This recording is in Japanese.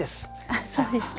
あっそうですか。